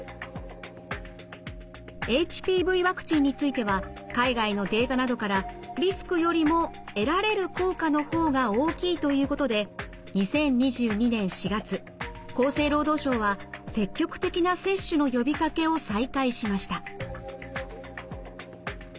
ＨＰＶワクチンについては海外のデータなどからリスクよりも得られる効果の方が大きいということで２０２２年４月厚生労働省は積極的な接種の呼びかけを再開しました。